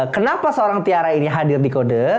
kenapa seorang tiara ini hadir di kode